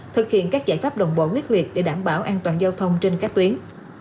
thực hiện các giải pháp đồng bộ quyết liệt để đảm bảo an toàn giao thông trên các tuyến